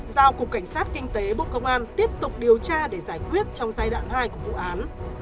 giao cục cảnh sát kinh tế bộ công an tiếp tục điều tra để giải quyết trong giai đoạn hai của vụ án